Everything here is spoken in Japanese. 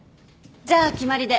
じゃあ決まりで。